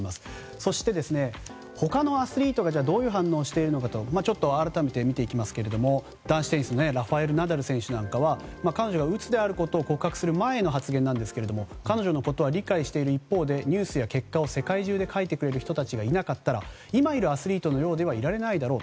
そして、他のアスリートがどういう反応しているのか改めて見ていきますが男子テニスのラファエル・ナダル選手は彼女がうつであることを告白する前の発言なんですが、彼女のことは理解している一方でニュースや結果を世界中で書いてくれる人たちがいなかったら今いるアスリートのようではいられないだろう。